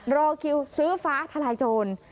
รอคิวซื้อฟ้าทลายโจร